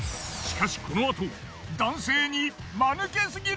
しかしこのあと男性にいくぞ。